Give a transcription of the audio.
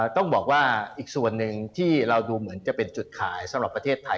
ต้องบอกว่าอีกส่วนหนึ่งที่เราดูเหมือนจะเป็นจุดขายสำหรับประเทศไทย